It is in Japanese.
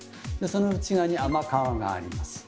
その内側に甘皮があります。